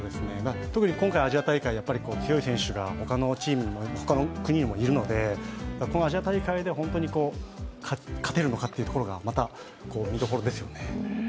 特に今回、アジア大会強い選手がほかの国にもいるので、このアジア大会で本当に勝てるのかというのが見どころですよね